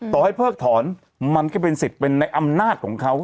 ต่อให้เพิกถอนมันก็เป็นสิทธิ์เป็นในอำนาจของเขา